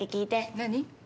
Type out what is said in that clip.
何？